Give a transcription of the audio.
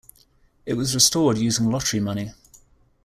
It was restored using lottery money.